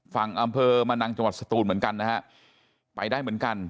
ฝั่งอำเภอมะนังจังหวัดสตูนเหมือนกันนะฮะไปได้เหมือนกัน